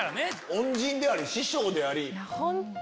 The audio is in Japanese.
恩人であり師匠であり。